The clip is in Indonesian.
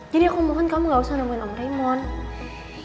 jadi aku mohon kamu gak usah nemuin om raymond